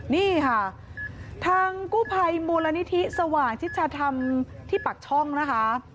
นี่ค่ะทางกู้ภัยมูลนิธิสว่างชิดชาธรรมที่ปักช่องนะคะ